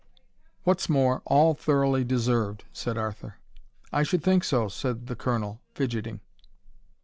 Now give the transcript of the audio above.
"What's more, all thoroughly deserved," said Arthur. "I should think so," said the Colonel, fidgetting.